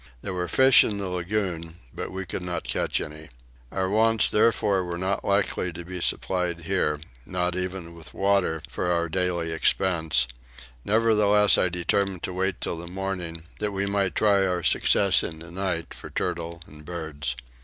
There were fish in the lagoon, but we could not catch any. Our wants therefore were not likely to be supplied here, not even with water for our daily expense: nevertheless I determined to wait till the morning, that we might try our success in the night for turtle and birds.